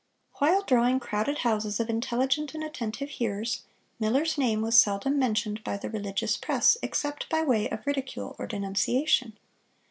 While drawing crowded houses of intelligent and attentive hearers, Miller's name was seldom mentioned by the religious press except by way of ridicule or denunciation.